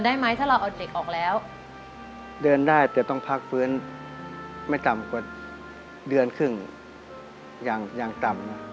เดือนได้แต่ต้องพักฟื้นไม่ต่ำกว่าเดือนครึ่งอย่างต่ำ